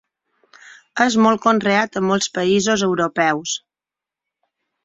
És molt conreat a molts països europeus.